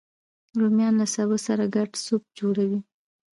رومیان له سابه سره ګډ سوپ جوړوي